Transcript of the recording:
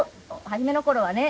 初めの頃はね